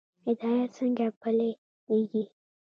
هدایت څنګه پلی کیږي؟